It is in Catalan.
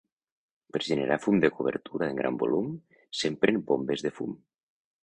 Per generar fum de cobertura en gran volum, s'empren bombes de fum.